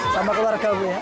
sama keluarga bu ya